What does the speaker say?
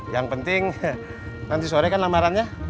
yang penting nanti sore kan lamarannya